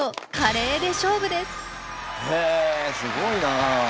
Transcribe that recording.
へえすごいな。